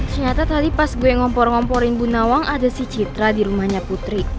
syata tadi pas gue ngompor ngomporin bu nawang ada sih citra di rumahnya putri